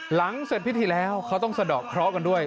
หลังเสร็จพิธีแล้วเขาต้องสะดอกเคราะห์กันด้วย